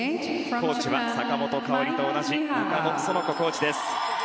コーチは坂本花織と同じ中野園子コーチです。